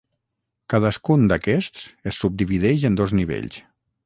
Cadascun d'aquests es subdivideix en dos nivells.